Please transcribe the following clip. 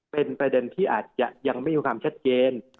เป็นประเด็นที่อาจจะยังไม่มีความชัดเจน